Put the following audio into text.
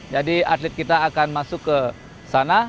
jadi atlet kita akan masuk ke sana